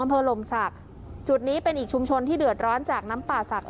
ลมศักดิ์จุดนี้เป็นอีกชุมชนที่เดือดร้อนจากน้ำป่าศักดิ